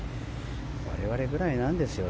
我々ぐらいなんですよ。